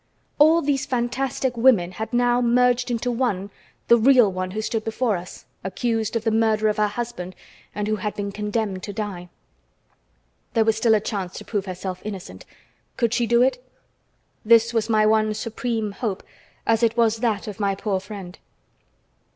All these fantastic women had now merged into one, the real one who stood before us, accused of the murder of her husband and who had been condemned to die. There was still a chance to prove herself innocent. Could she do it? This was my one supreme hope, as it was that of my poor friend.